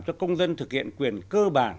cho công dân thực hiện quyền cơ bản